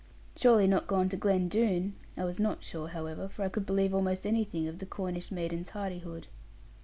'Surely not gone to Glen Doone?' I was not sure, however: for I could believe almost anything of the Cornish maiden's hardihood.